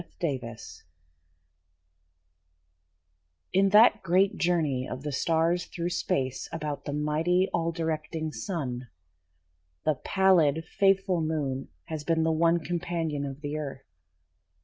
A SOLAR ECLIPSE In that great journey of the stars through space About the mighty, all directing Sun, The pallid, faithful Moon has been the one Companion of the Earth.